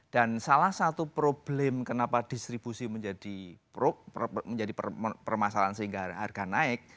dan salah satu problem kenapa distribusi menjadi permasalahan sehingga harga naik